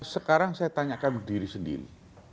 sekarang saya tanyakan diri sendiri